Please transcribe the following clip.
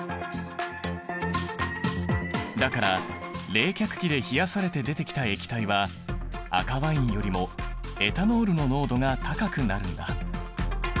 だから冷却器で冷やされて出てきた液体は赤ワインよりもエタノールの濃度が高くなるんだ。